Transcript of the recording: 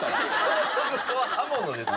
彫刻刀は刃物です。